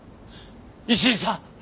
石井さん！